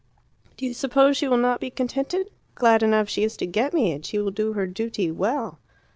Do you suppose she will not be contented? Glad enough she is to get me, and she will do her duty well."